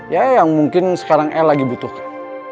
ya yang mungkin sekarang el lagi butuhkan